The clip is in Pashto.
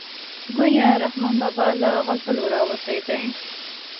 ګویا رحمان بابا له غزلو راوتی دی.